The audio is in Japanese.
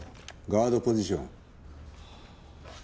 ガードポジション。